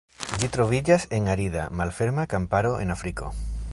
Ĝi troviĝas en arida, malferma kamparo en Afriko.